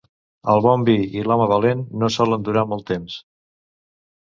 El bon vi i l'home valent no solen durar molt temps.